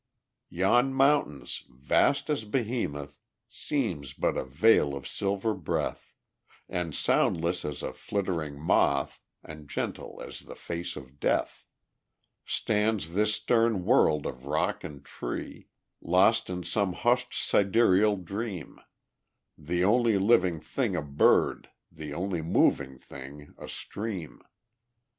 Yon mountain, vast as Behemoth, Seems but a veil of silver breath; And soundless as a flittering moth, And gentle as the face of death, Stands this stern world of rock and tree Lost in some hushed sidereal dream The only living thing a bird, The only moving thing a stream.